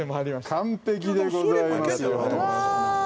◆完璧でございます。